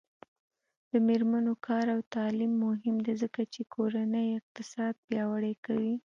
د میرمنو کار او تعلیم مهم دی ځکه چې کورنۍ اقتصاد پیاوړی کوي.